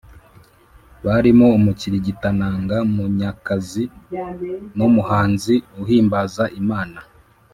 barimo umukirigitananga Munyakazi n’umuhanzi uhimbaza Imana